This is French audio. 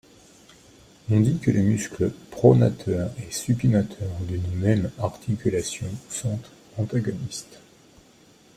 On dit que les muscles pronateurs et supinateurs d'une même articulation sont antagonistes.